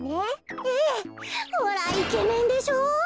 ええほらイケメンでしょ。